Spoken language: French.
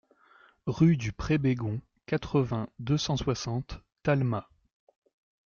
Rue du Pré Bégond, quatre-vingts, deux cent soixante Talmas